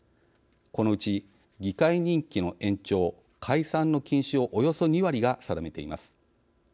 このうち議会任期の延長・解散の禁止をおよそ２割が定めています。